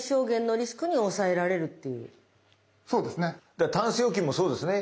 だからタンス預金もそうですね。